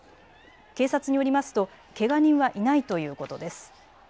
警察によりますとけが人はいないということです。